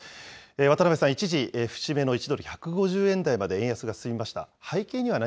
渡部さん、一時、節目の１ドル１５０円台まで円安が進みました。